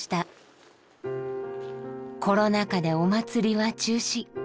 コロナ禍でお祭りは中止。